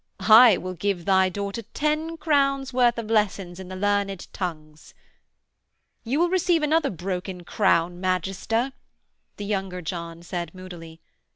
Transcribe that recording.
'I will give thy daughter ten crowns' worth of lessons in the learned tongues.' 'You will receive another broken crown, magister,' the younger John said moodily.